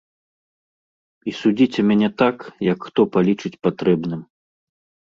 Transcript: І судзіце мяне так, як хто палічыць патрэбным.